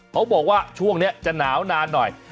เขาบอกว่าช่วงนี้จะหนาวนานหน่อย